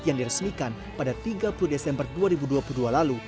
yang diresmikan pada tiga puluh desember dua ribu dua puluh dua lalu